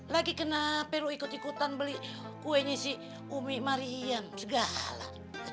lagi kenapa lo ikut ikutan beli kuenya si umi mariam segala